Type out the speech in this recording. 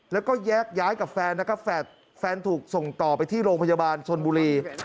แล้วก็แยกย้ายกับแฟนนะครับแฟนถูกส่งต่อไปที่โรงพยาบาลชนบุรี